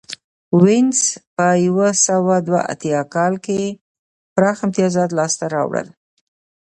وینز په یو سوه دوه اتیا کال کې پراخ امتیازات لاسته راوړل